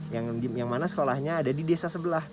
yang mana sekolahnya ada di desa sebelah